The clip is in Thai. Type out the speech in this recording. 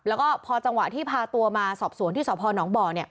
แล้วก็พอจังหวะที่พาตัวมาสอบสวนที่สพนบ่อ